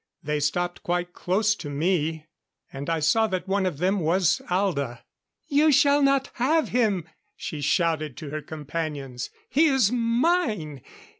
They stopped quite close to me; and I saw that one of them was Alda. "You shall not have him!" she shouted to her companions. "He is mine!